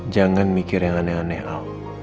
jangan mikir yang aneh aneh al